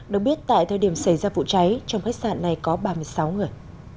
được biết tại thời điểm xảy ra vụ cháy trong khách sạn này có ba mươi sáu người